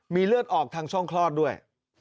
มีเลือดออกทางช่องคลอดด้วย